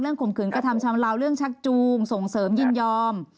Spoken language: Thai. ข่มขืนกระทำชำลาวเรื่องชักจูงส่งเสริมยินยอม